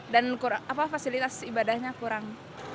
dan fasilitas ibadahnya kurang